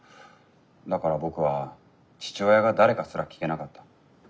だから僕は父親が誰かすら聞けなかった。